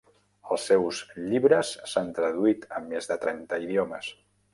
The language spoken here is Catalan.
Els seus llibres s'han traduït a més de trenta idiomes.